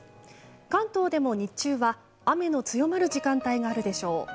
関東でも日中は雨の強まる時間帯があるでしょう。